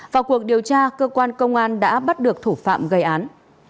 vào cuộc điều tra cơ quan công an đã bắt được thủ phạm gây án